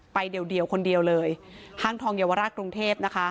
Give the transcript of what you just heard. เดียวคนเดียวเลยห้างทองเยาวราชกรุงเทพนะคะ